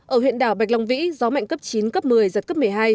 ở huyện đảo bạch long vĩ gió mạnh cấp chín cấp một mươi giật cấp một mươi hai